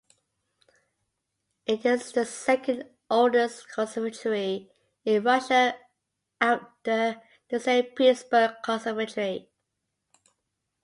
It is the second oldest conservatory in Russia after the Saint Petersburg Conservatory.